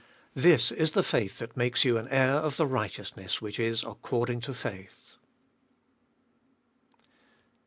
This is the faith that makes you an heir of the righteousness which is according to faith.